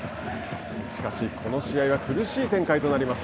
しかし、この試合は苦しい展開となります。